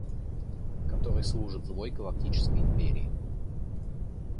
который служит злой Галактической Империи.